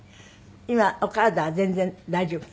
今お体は全然大丈夫？